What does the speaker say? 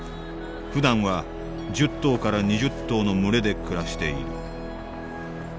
ふだんは１０頭から２０頭の群れで暮らしている。